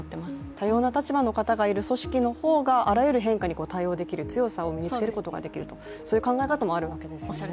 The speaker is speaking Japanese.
多様な立場の方がいる組織のほうがあらゆる変化に対応できる強さを身につけることができるとそういう考え方もあるわけですよね。